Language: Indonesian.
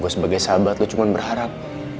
gue sebagai sahabat lo cuma berharap